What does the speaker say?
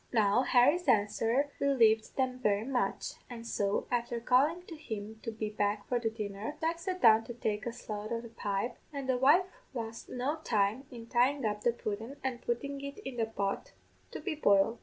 "Now, Harry's answer relieved them very much, and so, afther calling to him to be back for the dinner, Jack sat down to take a shough o' the pipe, and the wife lost no time in tying up the pudden and puttin' it in the pot to be boiled.